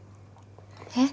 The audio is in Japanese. えっ？